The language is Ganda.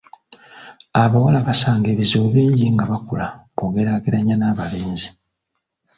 Abawala basanga ebizibu bingi nga bakula bw'ogeraageranya n'abalenzi.